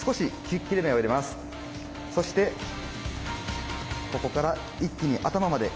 そしてここから一気に頭まで。